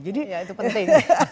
ya itu penting